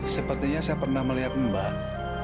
sepertinya saya pernah melihat mbak